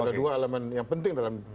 ada dua elemen yang penting dalam